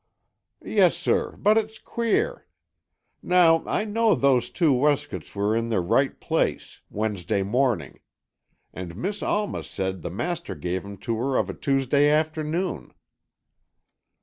"Yes, sir, but it's queer. Now, I know those two weskits were in their right place Wednesday morning. And Miss Alma said the master gave 'em to her of a Tuesday afternoon."